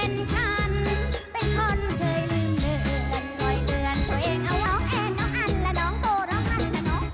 น้องเองน้องอันและน้องโตเราค่ะและน้องกู